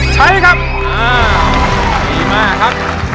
ใช้ครับดีมากครับ